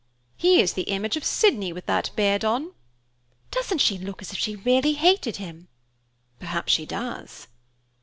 "He is the image of Sydney, with that beard on." "Doesn't she look as if she really hated him?" "Perhaps she does."